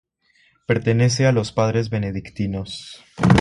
Pertenece a los Padres Benedictinos.